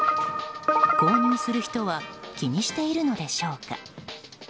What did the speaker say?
購入する人は気にしているのでしょうか。